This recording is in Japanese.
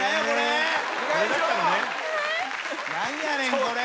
何やねんこれ？